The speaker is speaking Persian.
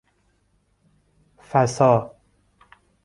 فسا